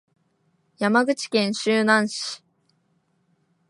山口県周南市